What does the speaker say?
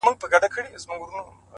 • که بارونه په پسونو سي څوک وړلای,